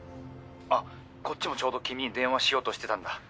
あっこっちもちょうど電話しようとしてたんだ。